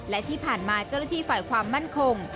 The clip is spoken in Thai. และที่ผ่านมาเจ้าหน้าที่ฝ่ายความมั่นคง